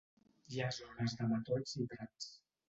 Hi ha zones de matolls i prats.